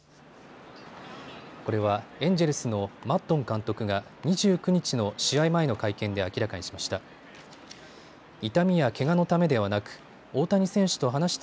これはエンジェルスのマッドン監督が２９日の試合前の会見で明らかにしました。